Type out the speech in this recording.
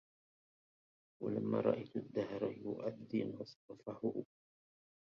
ولما رأيت الدهر يؤذن صرفه